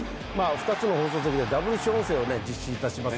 ２つの放送席でダブル主音声を実施いたします。